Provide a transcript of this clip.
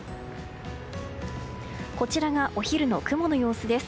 こちらがお昼の雲の様子です。